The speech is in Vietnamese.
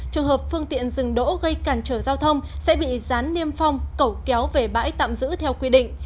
trường hợp phương tiện dừng đỗ gây cản trở giao thông sẽ bị gián niêm phong cẩu kéo về bãi tạm giữ theo quy định